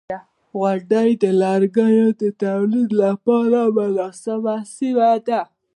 • غونډۍ د لرګیو د تولید لپاره مناسبه سیمه ده.